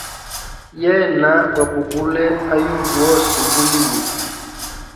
Yena gwa bugule ayugu ose ubulimi.